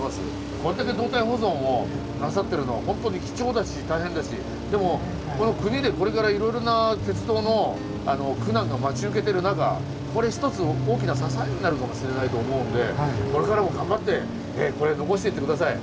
これだけ動態保存をなさってるのはホントに貴重だし大変だしでもこの国でこれからいろいろな鉄道の苦難が待ち受けてる中これ一つ大きな支えになるかもしれないと思うんでこれからも頑張ってこれ残していって下さい。